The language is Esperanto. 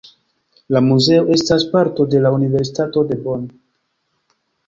La muzeo estas parto de la Universitato de Bonn.